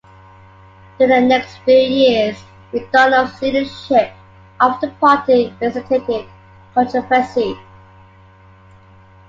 During the next few years, McDonough's leadership of the party elicited controversy.